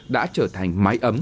đã trở thành máy ấm